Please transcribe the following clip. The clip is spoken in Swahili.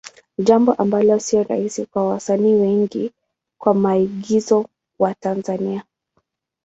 Jambo ambalo sio rahisi kwa wasanii wengi wa maigizo wa Tanzania.